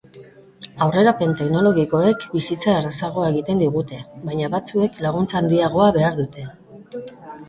Aurrerapen teknologikoek bizitza errazagoa egiten digute, baina batzuek laguntza handiagoa behar dute.